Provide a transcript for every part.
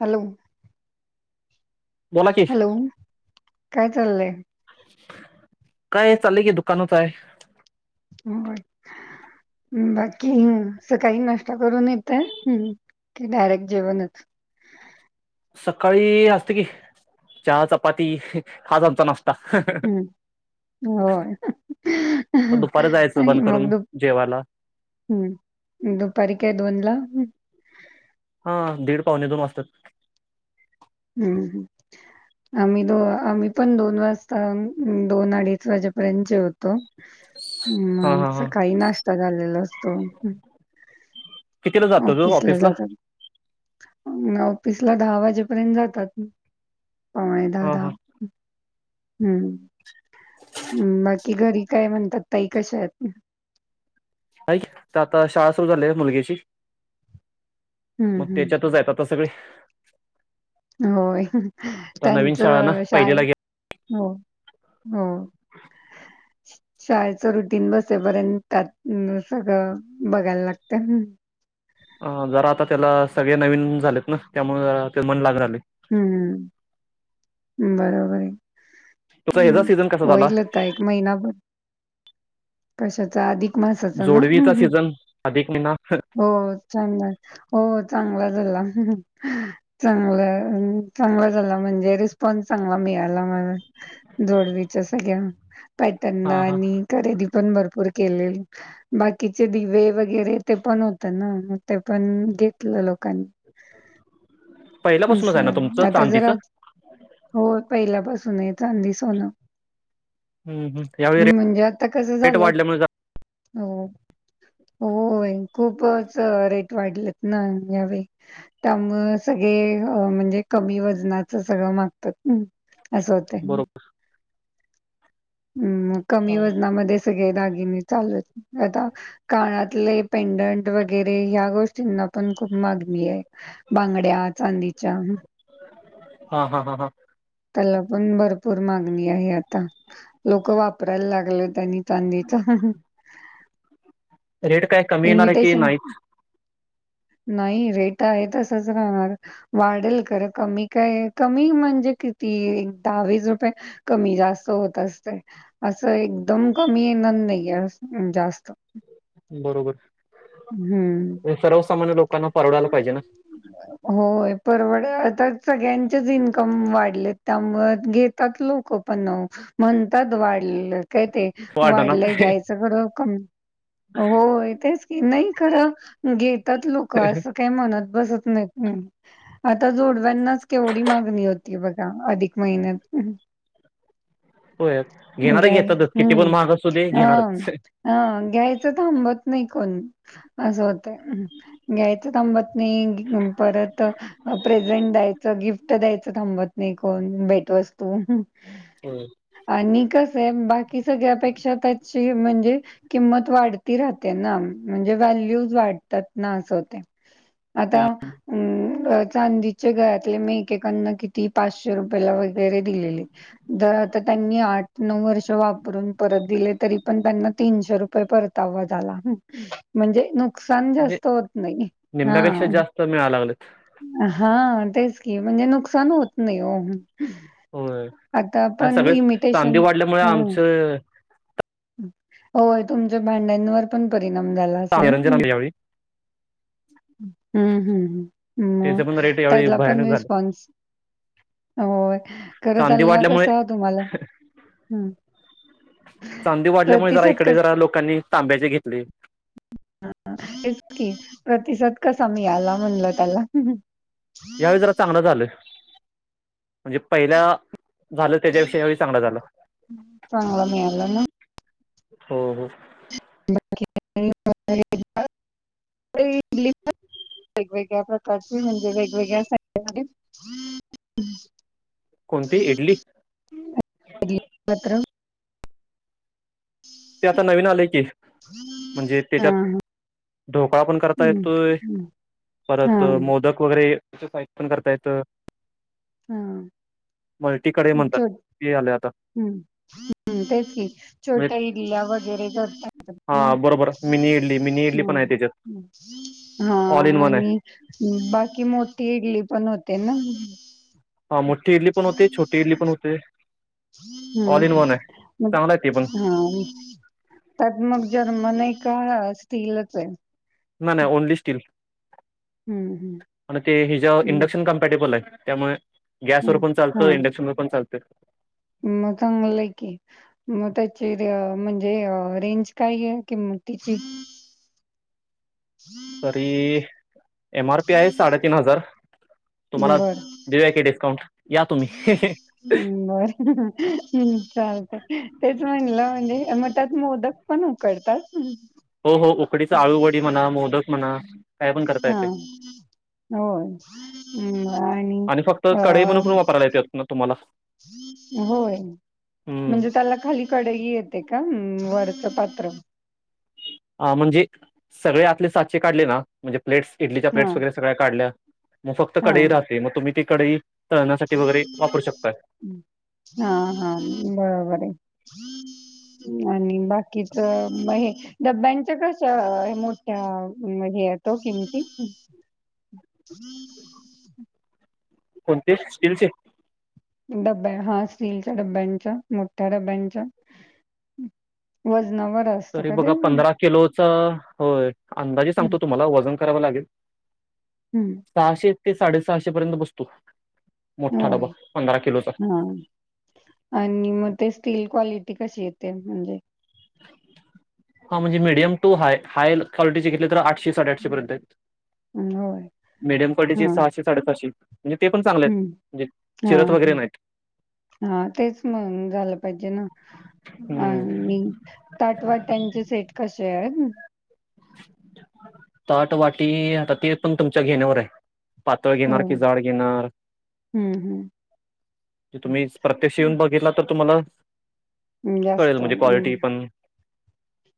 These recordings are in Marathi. हॅलो. बोला की हॅलो, काय चाललंय? काय चाललय की, दुकानात आहे. हो बाकी सकाळी नाष्टा करून येताय? हम्. की डायरेक्ट जेवणच? सकाळी असते की चहा चपाती हाच आमचा नास् ता हा हा. हम्म होय पण दुपारी जायचं आणि बंद मग करून दुप जेवायला हम्म दुपारी काय दोनला? हा दीड पावणे दोन वाजतात. हम्म हम्. आम्ही दो आम्ही पण दोन वाजता दोन अडीच वाजेपर्यन्त जेवतो. हा हम्म हा हा सकाळी नाश्ता झालेला असतो. कितीला जातो तू ऑफिसला जातात, अन ऑफिसला दहा वाजेपर्यंत जातात. पावणे दहा, हा हा दहा, हम्म. हम् बाकी घरी काय म्हणतात, ताई कशा आहेत? ह तर आता शाळा सुरू झाली आहे मुलगीची हं, मग हं. त्याच्यातच आहेत आता सगळे. होय आता नवीन शाळा ना त्यांचं शाळ पहिलीला घ्या हो हो. [unintelligible] शाळेच रुटीन बसेपर्यंत सगळं बघायला लागतं. अ जरा आता त्याला सगळे नवीन झालेत ना त्यामुळे ते मन लाग राले. हम्मम् बरोबर आहे तुझा ह्याचा हम् सीझन कसा झाला होईल. ता एक महिनाभर कशाचा अधिक मासाचा ना. जोडवीचा सीझन अधिक महिना हो चांगला हो चांगला झाला चांगलं. चांगला झाला म्हणजे रिस्पॉन्स चांगला मिळाला मला जोडवीच्या सगळ्या पॅटनना हा हा आणि खरेदी पण भरपूर केले. बाकीचे दिवे वगैरे ते पण होत ना ते पण घेतलं लोकांनी पहिल्यापासूनच असं आहे ना तुमचं झालं आता जरा चांदीचं हो पहिल्यापासून आहे चांदी सोनं. हम्म, हम्म. यावेळी ह् म्हणजे आता कसं रेट झालंय, वाढल्यामुळे जरा हो. होय खूपच रेट वाढलेत ना ह्यावेळी. त्यामुळे सगळे म्हणजे कमी वजनाच सगळं मागतात् असं होतं. बरोबर हम् कमी हा, वजनामध्ये सगळे दागिने चालू आता कानाातले पेंडंट वगैरे ह्या गोष्टींना पण खूप मागणी आहे. बांगड्या चांदीच्या हा हा हां हां. त्याला पण भरपूर मागणी आहे आता लोक वापरायला लागले. त्यांनी, तानी, निता रेट काय कमी येणार आहे की नाहीत? नाही रेट आहेेत तसच राहणार. वाढेल खरं कमी काय कमी म्हणजे की ती दहावीस रुपये कमी जास्त होत असते. असं एकदम कमी येणार नाहीे असं जास्त. बरोबर हं. सर्वसामान्य लोकांना परवडायला पाहिजे ना. [unintelligible] होय परवड आता सगळ्यांचेच इन्कम वाढलेत त्यामुळं घेतात लोकं पण म्हणतात वाढलं काय ते वाढना वाढलं काय घ्यायचं खरं कम होय तेच ती नाही खरं घेतात लोक असं काही मनात बसत नाहीत. आता जोडव्यांनाच केवढी मागणी होती बघा अधिक महिन्यात होय घेणारे घ्याया घेतातच किती पण महाग असू दे हम्म हां. घेणारच हा घ्यायचं थांबत नाही कोण असं होतय. घ्यायचं थांबत नाही गी अम परत प्रेझेंट द्यायचं गिफ्ट द्यायचं थांबत नाही कोण भेटवस्तू होय. आणि कसं आहे बाकी सगळ्यापेक्षा त्याची म्हणजे किंमत वाढती राहते ना म्हणजे व्हॅल्यूज वाढतात. नास होतेय आता अम ब चांदीच्या घरातले मी एकेकांना किती पाचशे रुपयाेला वगैरे दिलेले दर आता त्यांनी आठ नऊ वर्ष वापरून परत दिले तरी पण त्यांना तीनशे रुपये पय परत आवाज आला म्हणजे नुकसान म्हणजे जास तो होत नाही हा. निम्म्यापेक्षा जास्त मिळायला लागलेत हा तेच की म्हणजे नुकसान होत नाही हो. होय आता आणि पण सगळे चांदी इमिटेशन वाढल्यामुळे हं. आमचं होय तुमच्या भांड्यांवर पण परिणाम झाला असेल निरंजन ना. आले यावेळी हम्म हम्म म त्याचे पण रेट यावेळी त्यातला पण भयानक झाले रिस्पॉन्स होय खरं चांदी त्यांला वाढल्यामुळे कसं तुम्हाला हम्म. चांदी वाढल्यामुळे जरा इकडे कस जरा लोकांनी तांब्याचे घेतली. तेच की प्रतिसाद कसा मिळाला म्हणलं त्याला. यावेळी जरा चांगलं झालंय. म्हणजे पहिला झालं त्याच्यापेक्षा यावेळी चांगलं झालं. चांगला मिळाला ना? हो हो. [unintelligible] वेगवेगळ्या प्रकारचे म्हणजे वेगवेगळ्या. [unintelligible] कोणती इडली? [unintelligible] ते आता नवीन आलय की म्हणजे हां, त्याच्यात हां. ढोकळा पण करता हं, येतोय हं. परत हां, मोदक वगैरे तिचा साइत पण करता येते, हां. मल्टी कडे म्हणतात ते आले आता. हम्म तेच की म्हणजे छोट्या इडल्या वगैरे करता. हा बरोबर मिनी इडली मिनी इडली पण आहे त्याच्यात [unintelligible] म हा ऑल इन वन आहे आणि बाकी मोठी इडली पण होते ना. हा मोठी इडली पण होते छोटी इडली पण होते. हम्म, ऑल इन वन आहे हम्म म चांगला आहे ते पण हा. त्यात मग जर्मन आहे का स्टीलीलच आहे? नाय नाय ओनली स्टील. हम्म आणि ते हि ज हम्म. इंडक्शन कम्पॅटेबल आहे त्यामुळे गॅसवरर हम्म पण चालतं इंडक्शन वर पण चालत. मगं चांगलं आहे की मग त्याची म्हणजे रेंज काय आहे किंमत तिची हम्म! तरी एम आर पी आहे साडेतीन हजार तुम्हाला दिऊया की डस्काउंट [inaudible] हम्म बर हम् चालत तेच म्हणलं म्हणजे मगं त्यात मोदक पण उकळतात. हो हो उकडीचा आळूवडी म्हणा मोदक म्हणा. काय पण करतायेत हा होय हम्. आणि फक्त कढाई म्हण करून वापरायला येतेत ना तुम्हाला होय हम्म. म्हणजे त्याला खाली कडेही येते का वरचं पात्र ह म्हणजे सगळे आतले साचे काढले ना म्हणजे प्लेट्स इडलीच्या हा प्लेट्स वगैरे सगळ्या काढल्या मग फक्त हा. कडई राहते मग तुम्ही ती कडाई तळण्यासाठी वगैरे वापरू शकताय. हा हा बरोबर आहे. आणि बाकीच हे. डब्यांचं कस मोठ्या हे येतो किमती हम्म! कोणती स्टीलची? डब्या हा स्टीलच्या डब्यांच्या मोठ्या डब्यांच्या वजनावर असतं तरी का ते बघा पंधरा किलोचा होय अंदाजे सांगतो हम्म तुम्हाला वजन करावं लागेल. हम्म! सहाशे ते साडेसहाशे पर्यंत बसतो मोठा होय डबा पंधरा किलोचा. हा आणि मग ते स्टील क्वालिटी कशी येते म्हणजे. हा म्हणजे मिडियम टू हा हाय्वालिटीची घेतली तर आ शे साडेआठशे पर्यंत हं, होय मडियम हा क्वालीटी सहाशे साडेसशे म्हणजे पण चांग हम्म हा हम. हा तेच मग झालं पाहिजे ना हम्म आणि ताटवाट्यांचे सेट कसे आहेत. ताट वाटी आता ते पण तुमच्या घेण्यावर आहे. पातळ हो घेणार की जाड घेणार. हम्म तुम्ही प्रत्यक्ष हम्म येऊन बघितला तर तुम्हाला कळेल जास्त म्हणजे हम्म क्वालिटी पण.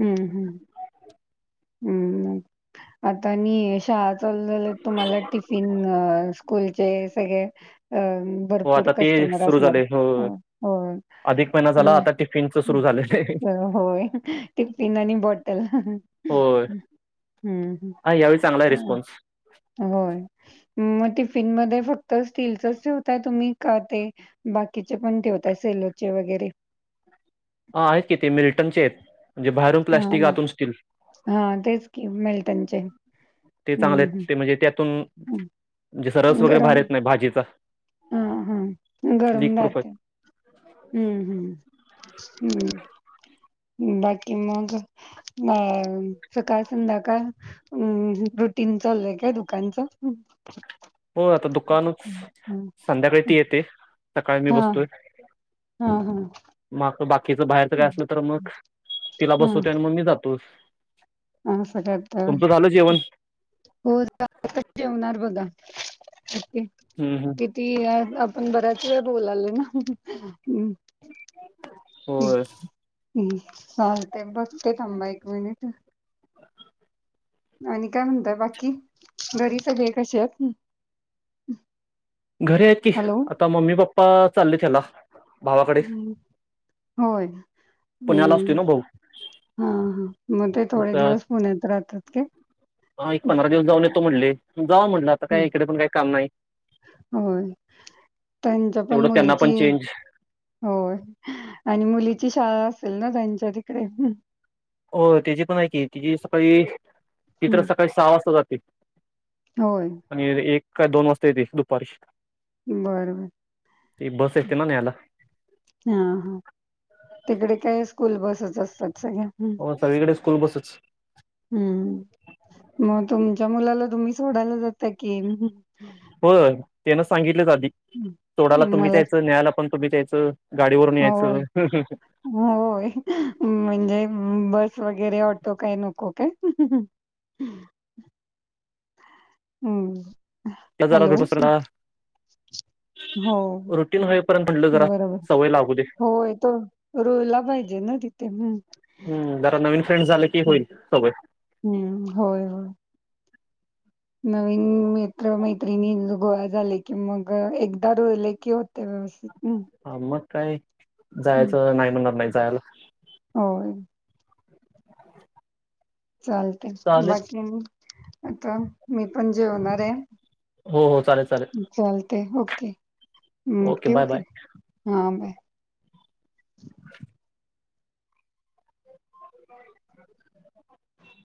हम्म हम्म. हम्म आता न यशा तुम्हाला टिफिन स्कूलचे सगळे अ हो भरपूर आता ते कस्टमर सुरू असणार झाले हो होम्. अधिक महिना झाला आता टिफिनचं सुरू झालेलं आहे होय टिफिन आणि बॉटल होय हं, हं. अ यावेळी चांगला आहे हां, रिस्पॉन्स होय. मग टिफिनमध्येध्ये फक्त स्टीलच ठेवताय तुम्ही का ते. बाकीचे पण ठेवताय सेलोचे वगैरे हा आहेत कि ते मिल्टनचे आहेत म्हणजे बाहेरून प्लास्टिक आतून स्टील हा तेच क मिेल त्यांचे ते चांगले आहेत ते म्हणजे त्यातून हं. जसं रस वगैरे भार येत नाही भाजीचा हा हा गरम लीक प्रूफ राहात आहे हम्म हम्म हम्म. बाकी मग अ सकाळ संध्याकाळ हम्म रुटीन चालूय काय दुकानच होग आता दुकानच संध्याकाळी त येते सकाळी मी बसतोय हा हा. मग बाकीचं बाहेरचं काय असलं तर मग तिला हा बसवतो आणि मग मी जातो. हा असं करता तुमचं झालं होय जेवण हो जा जेवणार बघा ओके हम्म हम्म किती आपण बऱ्याच वेळ बोलालो ना होय चालतय हम्म हम्म बघते थांबा एक मिनिटं आणि काय म्हणतात बाकी घरी सगळे कसे आहेत? घर आहेत की हॅलो आता मम्मी पप्पा चालले त्याला भावाकडे होय. पुण्याला असतोय हम्म ना भाऊ हा हा मग ते थोडे दिवस पुण्यात राहतात का? हा एक पंधरा दिवस जाऊन येतो म्हटले जाऊ म्हणला. हम्म होय त्यांच्या पण तेवढं त्यांना मुलीची पण चेंज होय आणि मुलीची शाळा असेल ना त्यांच्या तिकडे हो त्याची पण आहे की तिची सकाळी ती तर सकाळी सहा वाजता जाते होय. आणि एक का दोन वाजता येते दुपारी बरं बरं ती बस येते ना न्यायला हा हा तिकडे काय स्कूल बसेच असतात सगळ्या हो सगळीकडे स्कूल बसच हम्म मग तुमच्या मुलाला तुम्ही सोडायला जात कि हो तेनं सांगितलंच आधी सोडाला तुम्हीच मला यायचं न्यायायला पण तुम्ही यायचं गाडीवरून हो यायचं होय म्हणजे बस वगैरे ऑटो काय नको काय? हं हम्म क झाला हॅलो हो दुसर ना हो रुटीन होईपर्यंत म्हटलं जरा सवय लागू दे रोळला पाहिजे ना तिथे हम्म जरा नवीन फ्रेंड झाले की होईल सोय हम्म होय होय नवीन मित्र मैत्रिणी गोळा झाले की मग एकदा रोले की हो व्यवस् हम हा मग काय जायचं नाही म्हणणार नाही जायला होय चालते चालेल बाकी आता मी पण जेवणार आहे हो हो चालेल चालेल चालते ओके ओके ठेवू बाय बाय काय बाय [inaudible]